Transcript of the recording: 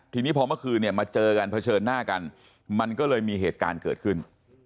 ทีนี้พอเมื่อคืนเนี่ยมาเจอกันเผชิญหน้ากันมันก็เลยมีเหตุการณ์เกิดขึ้น